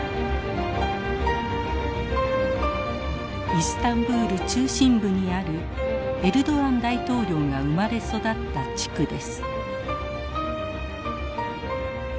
イスタンブール中心部にあるエルドアン大統領が生まれ育った地区です。